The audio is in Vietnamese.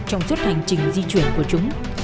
trong suốt hành trình di chuyển của chúng